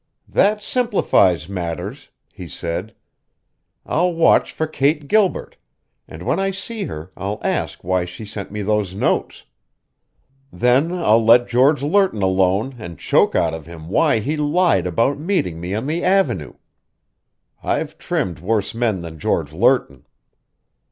"That simplifies matters," he said. "I'll watch for Kate Gilbert, and when I see her I'll ask why she sent me those notes. Then I'll get George Lerton alone and choke out of him why he lied about meeting me on the Avenue. I've trimmed worse men than George Lerton."